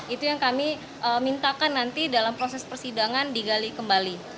itu yang kami mintakan nanti dalam proses persidangan digali kembali